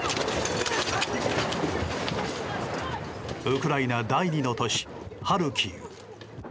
ウクライナ第２の都市ハルキウ。